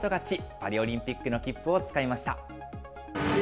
パリオリンピックの切符をつかみました。